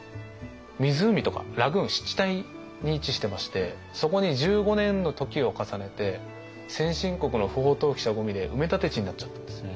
湖とかラグーン湿地帯に位置してましてそこに１５年の時を重ねて先進国の不法投棄したごみで埋め立て地になっちゃったんです。